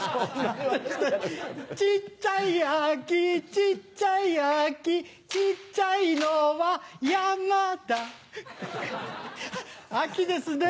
小っちゃい秋小っちゃい秋小っちゃいのは山田秋ですね。